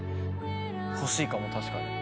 欲しいかも確かに。